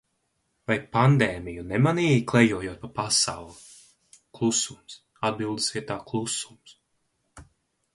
Vai pandēmiju nemanīji, klejojot pa pasauli? Klusums, atbildes vietā klusums.